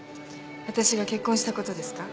私が結婚した事ですか？